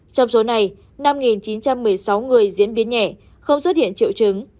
trong số này năm chín trăm một mươi sáu người diễn biến nhẹ không xuất hiện triệu chứng